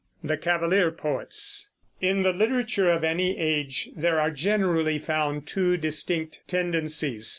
THE CAVALIER POETS. In the literature of any age there are generally found two distinct tendencies.